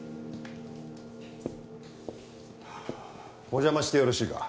お邪魔してよろしいか？